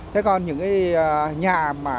thế còn những cái nhà